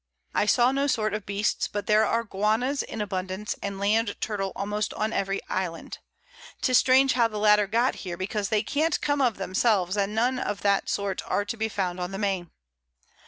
I saw no sort of Beasts; but there are Guanas in abundance, and Land Turtle almost on every Island: 'Tis strange how the latter got here, because they can't come of themselves, and none of that sort are to be found on the Main.